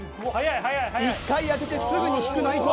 一回当ててすぐに引く内藤。